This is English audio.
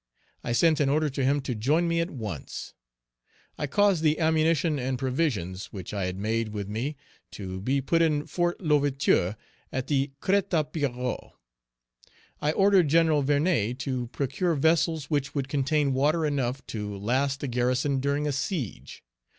I sent an order to him to join me at once. I caused the ammunition and provisions which I had with me to be put in Fort L'Ouverture at the Crête à Pierrot. I ordered Gen. Vernet to procure vessels which would contain water enough to last the garrison during a siege.